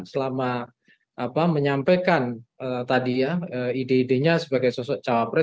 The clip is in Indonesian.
selama menyampaikan tadi ya ide idenya sebagai sosok cawapres